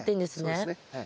そうですねはい。